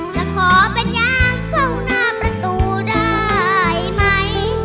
จะขอเป็นยางเฝ้าหน้าประตูได้ไหม